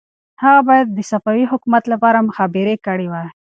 هغه باید د صفوي حکومت لپاره مخبري کړې وای.